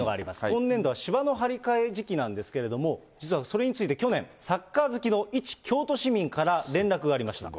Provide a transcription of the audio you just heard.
今年度は芝の張り替え時期なんですけれども、実はそれについて去年、サッカー好きの一京都市民から連絡がありました。